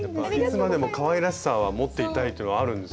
いつまでもかわいらしさは持っていたいというのはあるんですよね。